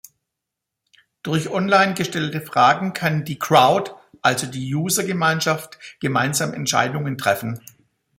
Durch online gestellte Fragen kann die „crowd“, also die User-Gemeinschaft, gemeinsam Entscheidungen treffen.